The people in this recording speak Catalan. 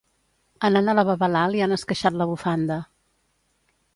Anant a la babalà li han esqueixat la bufanda.